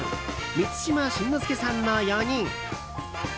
満島真之介さんの４人。